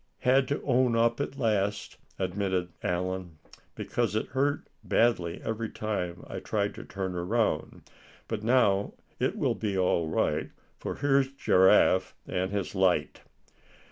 "Had to own up at last," admitted Allan, "because it hurt badly every time I tried to turn around. But now it will be all right; for here's Giraffe and his light."